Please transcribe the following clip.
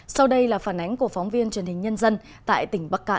sau đây là phản ánh của phóng viên truyền hình nhân dân tại tỉnh bắc cạn